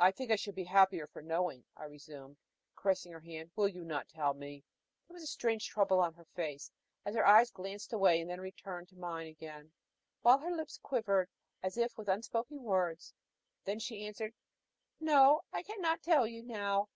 "I think I should be happier for knowing," I resumed, caressing her hand. "Will you not tell me?" There was a strange trouble on her face as her eyes glanced away and then returned to mine again, while her lips quivered, as if with unspoken words. Then she answered: "No, I cannot tell you now.